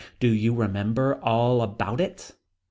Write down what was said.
Do you remember all about it.